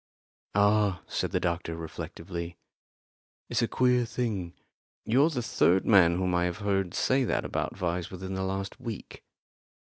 "Ah," said the doctor, reflectively, "it's a queer thing. You're the third man whom I have heard say that about Vyse within the last week."